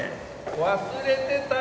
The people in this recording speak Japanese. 忘れてた。